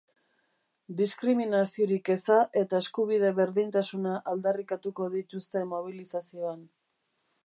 Diskriminaziorik eza eta eskubide berdintasuna aldarrikatuko dituzte mobilizazioan.